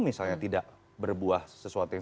misalnya tidak berbuah sesuatu yang